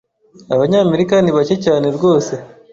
Abanyamerika ni bake cyane rwose,